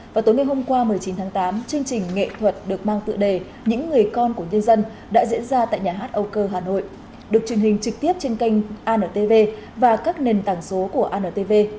vào tối ngày hôm qua một mươi chín tháng tám chương trình nghệ thuật được mang tựa đề những người con của nhân dân đã diễn ra tại nhà hát âu cơ hà nội được truyền hình trực tiếp trên kênh antv và các nền tảng số của antv